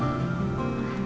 dan berpikirkan diri ya